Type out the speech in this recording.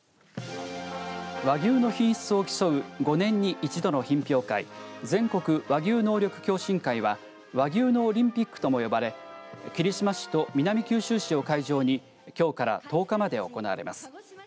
和牛の品質を競う５年に１度の品評会全国和牛能力共進会は和牛のオリンピックとも呼ばれ霧島市と南九州市を会場にきょうから１０日まで行われます。